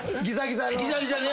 ギザギザの。